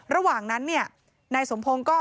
ระหว่างนั้นเนี่ยนายสมพงศ์ก็